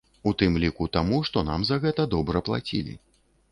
У тым ліку таму, што нам за гэта добра плацілі.